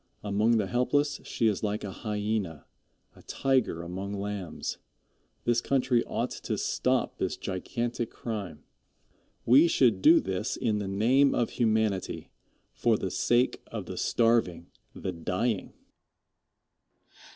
Among the helpless she is like a hyena a tiger among lambs. This country ought to stop this gigantic crime. We should do this in the name of humanity for the sake of the starving, the dying.